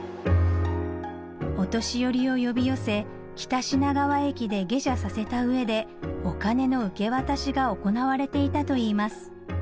お年寄りを呼び寄せ北品川駅で下車させた上でお金の受け渡しが行われていたといいます